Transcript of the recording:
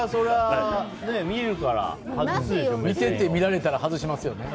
見てて見られたら外しますよね。